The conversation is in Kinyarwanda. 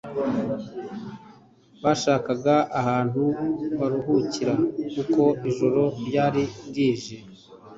bashakashaka ahantu baruhukira kuko ijoro ryari rije.